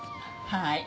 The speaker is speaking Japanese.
はい。